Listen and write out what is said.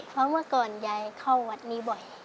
เพราะเมื่อก่อนยายเข้าวัดนี้บ่อย